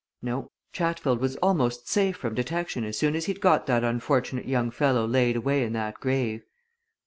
No Chatfield was almost safe from detection as soon as he'd got that unfortunate young fellow laid away in that grave.